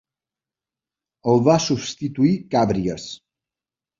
El va substituir Càbries.